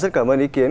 rất cảm ơn ý kiến